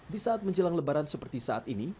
di saat menjelang lebaran seperti saat ini